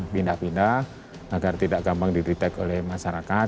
pindah pindah agar tidak gampang di detect oleh masyarakat